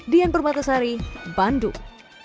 dian purwatasari bandung